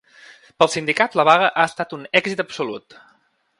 Pels sindicats la vaga ha estat un ‘èxit absolut’.